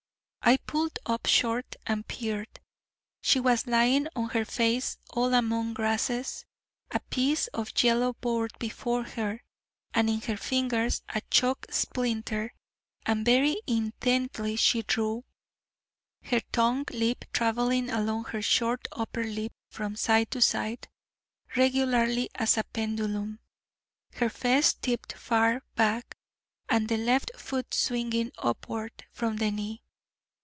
I pulled up short and peered. She was lying on her face all among grasses, a piece of yellow board before her, and in her fingers a chalk splinter: and very intently she drew, her tongue tip travelling along her short upper lip from side to side, regularly as a pendulum, her fez tipped far back, and the left foot swinging upward from the knee.